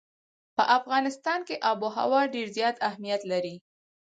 په افغانستان کې آب وهوا ډېر زیات اهمیت لري.